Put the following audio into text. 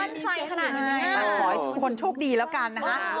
มาขอให้ทุกคนโชคดีแล้วกันนะฮะ